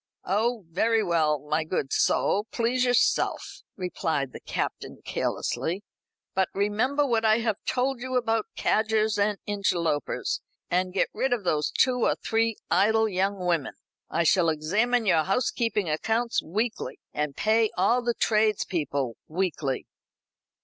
"Oh, very well, my good soul; please yourself," replied the Captain carelessly; "but remember what I have told you about cadgers and interlopers; and get rid of two or three of those idle young women. I shall examine your housekeeping accounts weekly, and pay all the tradespeople weekly."